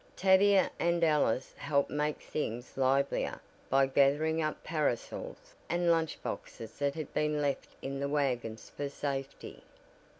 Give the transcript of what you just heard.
Tavia and Alice helped make things livelier by gathering up parasols and lunch boxes that had been left in the wagons for safety.